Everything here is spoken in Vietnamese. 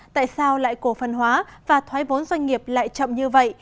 tại sao lại cổ phần hóa và thoái vốn doanh nghiệp lại chậm như vậy